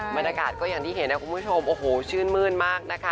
บรรยากาศก็อย่างที่เห็นนะคุณผู้ชมโอ้โหชื่นมื้นมากนะคะ